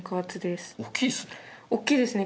大きいですね。